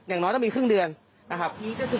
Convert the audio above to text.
อย่างน้อยต้องมีครึ่งเดือนนะครับ